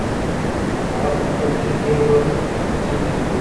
هغه په خپل زړه کې یو ډول پټ خپګان درلود.